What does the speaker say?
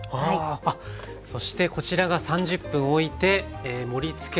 そしてこちらが３０分おいて盛りつけたものです。